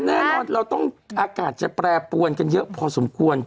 แน่นอนเราต้องอากาศจะแปรปวนกันเยอะพอสมควร